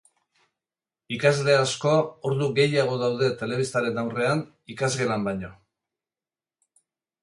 Ikasle asko ordu gehiago daude telebistaren aurrean ikasgelan baino.